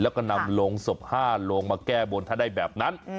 แล้วก็นำโรงศพ๕โลงมาแก้บนถ้าได้แบบนั้น